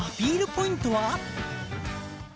ポイントは？